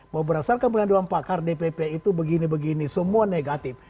bahwa berdasarkan pengaduan pakar dpp itu begini begini semua negatif